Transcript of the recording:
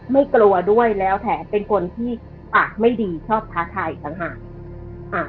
ไม่กลัวด้วยแล้วแถมเป็นคนที่ปากไม่ดีชอบท้าทายอีกต่างหาก